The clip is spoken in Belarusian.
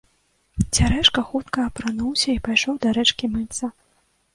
Цярэшка хутка апрануўся і пайшоў да рэчкі мыцца.